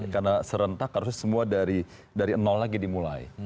karena serentak harusnya semua dari nol lagi dimulai